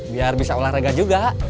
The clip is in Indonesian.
biar bisa olahraga juga